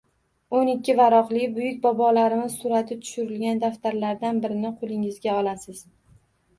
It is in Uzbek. O’n ikki varoqli, buyuk bobolarimiz surati tushirilgan daftarlardan birini qo‘lingizga olasiz